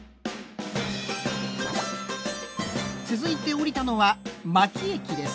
続いて降りたのは巻駅です。